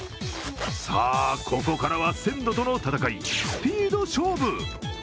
さあ、ここからは鮮度との戦い、スピード勝負。